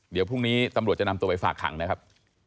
เดี๋ยวพรุ่งนี้ตำรวจจะนำตัวไปฝากขังนะครับ